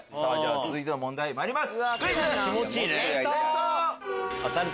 続いての問題参ります！